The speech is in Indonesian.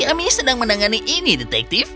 kami sedang menangani ini detektif